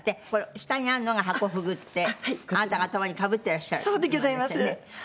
下にあるのがハコフグってあなたが頭にかぶってらっしゃる。